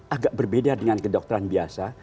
agak berbeda dengan kedokteran biasa